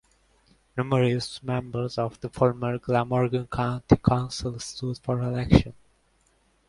Numerous members of the former Glamorgan County Council stood for election.